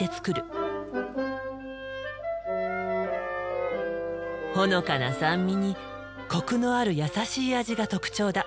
ほのかな酸味にコクのあるやさしい味が特徴だ。